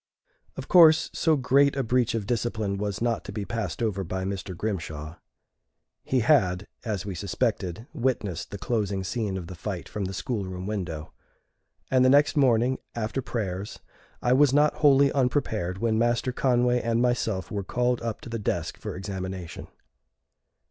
Of course, so great a breach of discipline was not to be passed over by Mr. Grimshaw. He had, as we suspected, witnessed the closing scene of the fight from the school room window, and the next morning, after prayers, I was not wholly unprepared when Master Conway and myself were called up to the desk for examination.